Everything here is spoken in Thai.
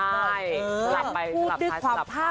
ใช่สลับไปสลับซ้ายสลับขา